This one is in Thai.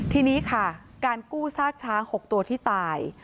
ทีนี้ค่ะการกู้ซากช้าง๖ตัวที่ตาย